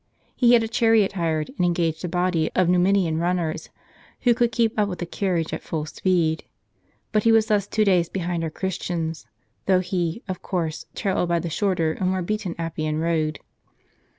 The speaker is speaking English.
He had a chariot hired, and engaged a body of w Numidian runners, who could keep up with a carriage at full speed. But he was thus two days behind our Christians, though he, of course, travelled by the shorter and more beaten Appian road.